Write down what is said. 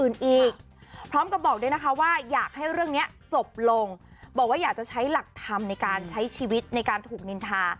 ที่ทุกคนต้องพบต้องเจอลองไปฝากดูค่ะ